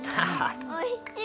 おいしい！